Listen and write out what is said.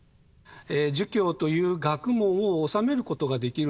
儒教という学問を修めることができるのはですね